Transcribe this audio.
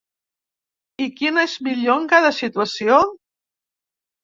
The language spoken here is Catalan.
I quina és millor en cada situació?